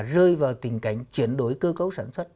rơi vào tình cảnh chuyển đổi cơ cấu sản xuất